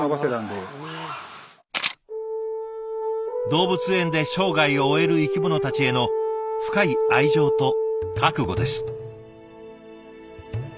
動物園で生涯を終える生き物たちへの深い愛情と覚悟です。